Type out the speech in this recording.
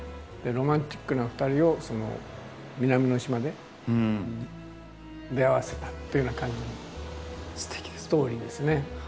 ロマンチックな２人を南の島で出会わせたっていうような感じのストーリーですね。